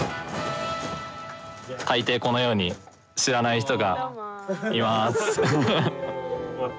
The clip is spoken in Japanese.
大抵このように知らない人がいます。